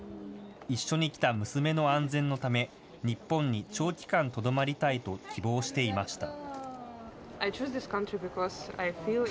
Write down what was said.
一緒に来た娘の安全のため、日本に長期間とどまりたいと希望していました。